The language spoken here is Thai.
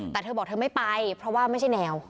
แต่เธอบอกเธอไม่ไปเพราะว่าไม่ใช่แนว